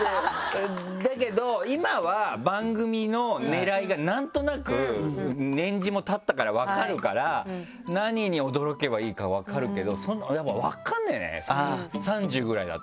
だけど今は番組の狙いがなんとなく年次もたったから分かるから何に驚けばいいか分かるけどやっぱ分かんないよね３０ぐらいだと。